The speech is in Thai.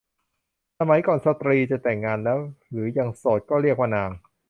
สมัยก่อนสตรีจะแต่งงานแล้วหรือยังโสด ก็เรียกว่านาง